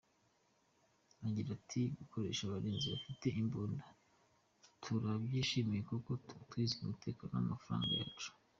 Agira ati “Gukoresha abarinzi bafite imbunda turabyishimiye kuko tuba twizeye umutekano w’amafaranga yacu.